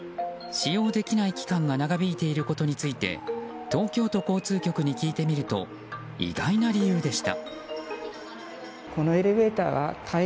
使用できない期間が長引いていることについて東京都交通局に聞いてみると意外な理由でした。